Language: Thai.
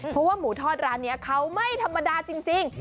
เพราะว่าหมูทอดร้านนี้เขาไม่ธรรมดาจริง